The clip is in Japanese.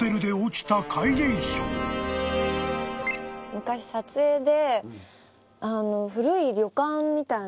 昔撮影で。